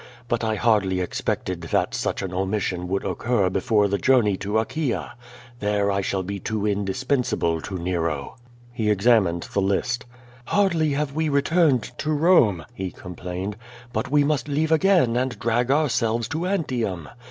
But I hardly expected that such an omission would occur before the journey to Achaia." There I shall be too indis pensable to Xero." He examined the list. "Hardly have we returned to Rome," he complained, 'T)ut we must leave again and drag ourselves to Antium.